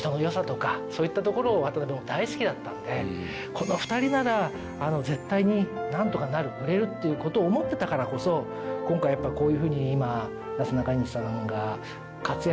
この２人なら絶対になんとかなる売れるっていう事を思ってたからこそ今回やっぱこういうふうに今。